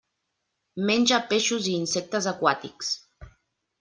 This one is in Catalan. Menja peixos i insectes aquàtics.